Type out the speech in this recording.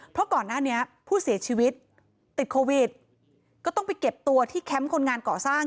เพราะก่อนหน้านี้ผู้เสียชีวิตติดโควิดก็ต้องไปเก็บตัวที่แคมป์คนงานก่อสร้าง